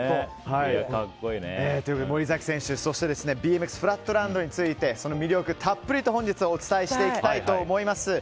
森崎選手、そしてＢＭＸフラットランドについてその魅力たっぷりと本日お伝えしていきたいと思います。